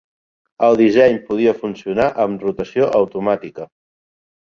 El disseny podia funcionar amb rotació automàtica.